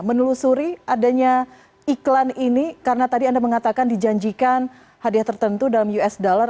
menelusuri adanya iklan ini karena tadi anda mengatakan dijanjikan hadiah tertentu dalam usd